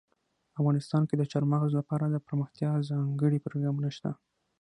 افغانستان کې د چار مغز لپاره دپرمختیا ځانګړي پروګرامونه شته.